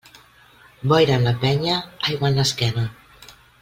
Boira en la penya, aigua en l'esquena.